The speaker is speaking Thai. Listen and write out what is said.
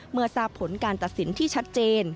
เมื่อทราบผลการตัดสินที่ชัดเจน